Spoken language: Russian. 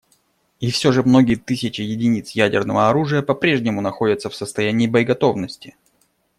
И все же многие тысячи единиц ядерного оружия попрежнему находятся в состоянии боеготовности.